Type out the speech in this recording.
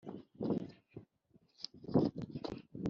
no kubacyaha kwanjye ntimubyitaho